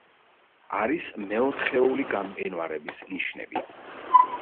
არის მეოთხეული გამყინვარების ნიშნები.